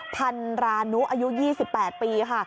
พันรานุอายุ๒๘ปีค่ะ